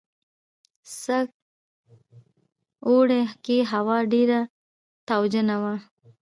سږ اوړي کې هوا ډېره تاوجنه وه.